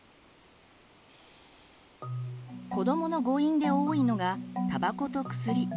子どもの誤飲で多いのがたばこと薬。